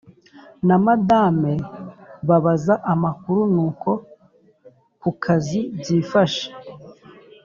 namadame babaza amakuru nuko kukazi byifashe